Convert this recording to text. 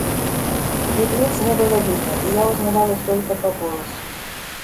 Их лиц не было видно, и я узнавал их только по голосу.